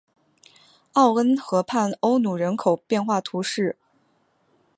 奥恩河畔欧努人口变化图示